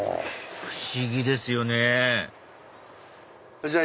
不思議ですよねじゃあ